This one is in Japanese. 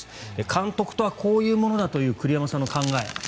監督とはこういうものだという栗山さんの考え。